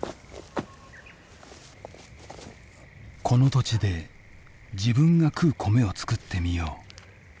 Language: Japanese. この土地で自分が食う米を作ってみよう。